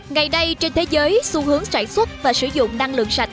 ngày nay trên thế giới xu hướng sản xuất và sử dụng năng lượng sạch